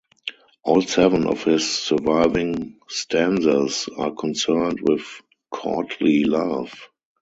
All seven of his surviving stanzas are concerned with courtly love.